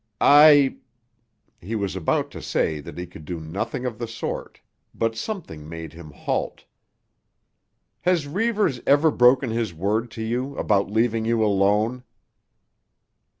"I——" He was about to say that he could do nothing of the sort, but something made him halt. "Has Reivers broken his word to you—about leaving you alone?"